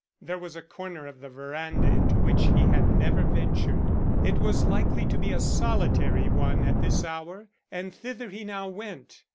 There was a corner of the veranda into which he had never ventured. It was likely to be a solitary one at this hour, and thither he now went.